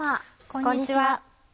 こんにちは。